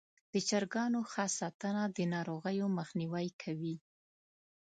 د چرګانو ښه ساتنه د ناروغیو مخنیوی کوي.